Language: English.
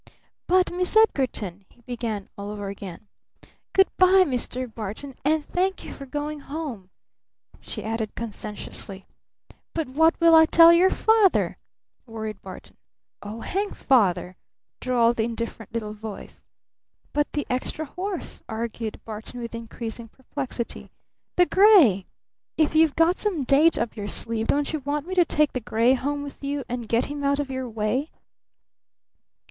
"But Miss Edgarton " he began all over again. "Good by, Mr. Barton! And thank you for going home!" she added conscientiously. "But what will I tell your father?" worried Barton. "Oh hang Father," drawled the indifferent little voice. "But the extra horse?" argued Barton with increasing perplexity. "The gray? If you've got some date up your sleeve, don't you want me to take the gray home with me, and get him out of your way?"